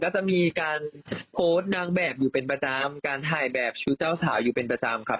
เจ้าสาวอยู่เป็นประจำครับ